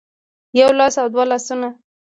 يو لاس او دوه لاسونه